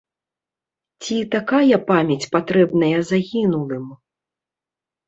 Ці такая памяць патрэбная загінулым?